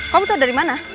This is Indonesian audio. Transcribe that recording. kamu tau dari mana